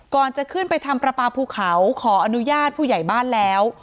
ก่อนจะขึ้นไปทำประปาภูเขาขออนุญาตผู้ใหญ่บ้านแล้ว